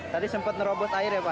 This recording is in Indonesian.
tadi sempat merobos air ya pak